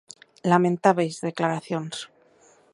Lamentábeis declaracións.